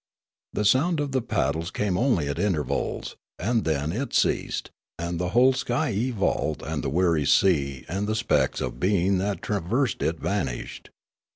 The sound of the paddles came only at intervals, and then it ceased, and the whole skyey vault and the weary sea and the specks of being that traversed it vanished.